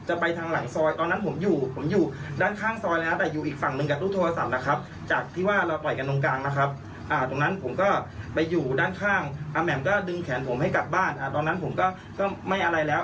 อาแหม่มก็ดึงแขนผมให้กลับบ้านอ่าตอนนั้นผมก็ก็ไม่อะไรแล้ว